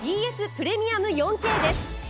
プレミアム４Ｋです。